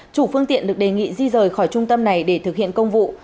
chủ phương tiện được đề nghị di rời khỏi trung tâm này để thực hiện công vụ